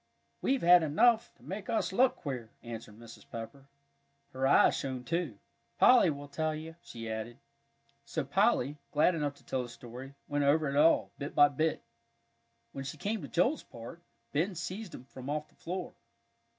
"We've had enough to make us look queer," answered Mrs. Pepper. Her eyes shone too! "Polly will tell you," she added. So Polly, glad enough to tell the story, went over it all, bit by bit. When she came to Joel's part, Ben seized him from off the floor.